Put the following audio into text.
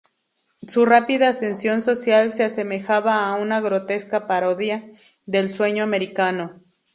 Su rápida ascensión social se asemejaba a una grotesca parodia del sueño americano.